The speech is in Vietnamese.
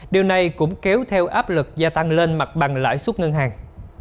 điều này cũng kéo theo áp lực gia tăng lên mặt bằng lãi suất ngân hàng